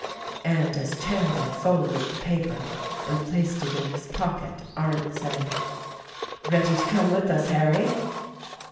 And as Chandler folded the paper and placed it in his pocket Arndt said, "Ready to come with us, Harry?"